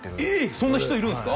そんな人いるんですか？